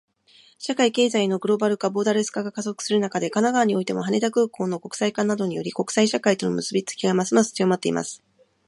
社会・経済のグローバル化、ボーダレス化が加速する中で、神奈川においても、羽田空港の国際化などにより、国際社会との結びつきがますます強まっています。